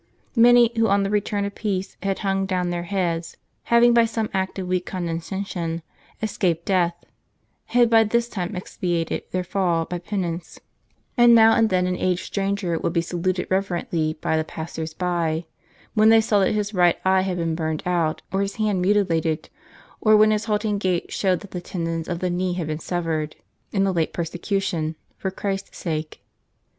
^ fW ^:i Many who on the return of peace had hung down their heads, having by some act of Aveak condescension escaped death, had by this time expiated their fall by penance ; and now and then an aged stranger would be saluted reverently by the 13assers by, when they saw that his right eye had been burned out, or his hand mutilated ; or when his halting gait showed that the tendons of the knee had been severed, in the late persecution, for Christ's sake.